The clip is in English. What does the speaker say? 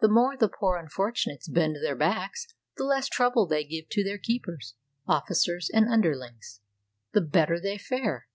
The more the poor un fortunates bend their backs, the less trouble they give to their keepers, officers, and underlings, the better they fare.